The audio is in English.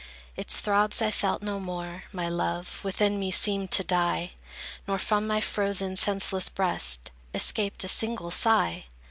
Its throbs I felt no more; my love Within me seemed to die; Nor from my frozen, senseless breast Escaped a single sigh!